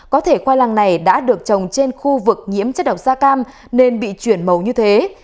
có thể khoai lang này đã được trồng trên khu vực nhiễm chất độc da cam nên bị chuyển màu như thế